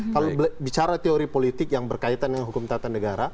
kalau bicara teori politik yang berkaitan dengan hukum tata negara